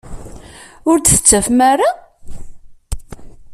Ur d-tettadfem ara?